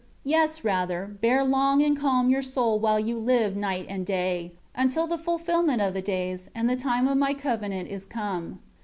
11 Yes, rather, bear long and calm your soul while you live night and day; until the fulfillment of the days, and the time of My covenant is come.